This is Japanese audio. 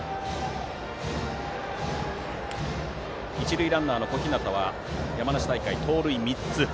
一塁ランナーの小日向は山梨大会で盗塁３つ。